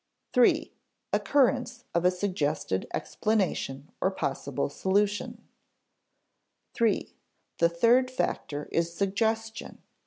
[Sidenote: 3. Occurrence of a suggested explanation or possible solution] 3. The third factor is suggestion.